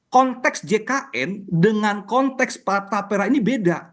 konteks jkn dengan konteks pak tapera ini beda